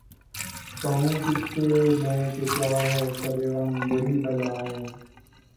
کہوں کس سے میں کہ کیا ہے شبِ غم بری بلا ہے